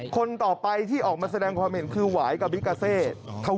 คนต่อไปที่ออกมาแสดงความเห็นคือหวายกับบิกาเซ